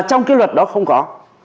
trong cái luật đó không có